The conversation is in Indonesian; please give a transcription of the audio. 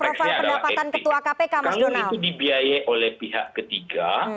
kalau itu dibiayai oleh pihak ketiga